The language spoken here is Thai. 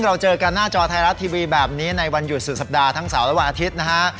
เราเจอกันหน้าจอไทยรัฐทีวีแบบนี้ในวันหยุดสุดสัปดาห์ทั้งเสาร์และวันอาทิตย์นะฮะ